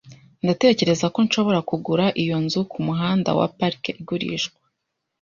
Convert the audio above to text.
Ndatekereza ko nshobora kugura iyo nzu kumuhanda wa Park igurishwa .